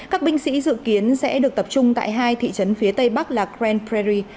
các binh sĩ dự kiến sẽ được tập trung tại hai thị trấn phía tây bắc là grand pri